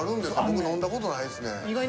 僕飲んだ事ないですね。